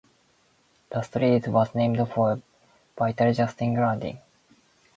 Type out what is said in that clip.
The street was named for Vital-Justin Grandin.